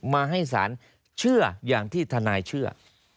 มาให้ศาลเชื่ออย่างที่ทนายเชื่อ